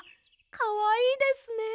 かわいいですね。